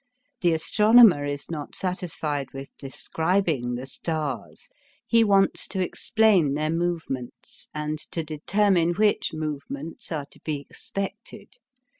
The astronomer is not satisfied with describing the stars, he wants to explain their movements and to determine which movements are to be expected.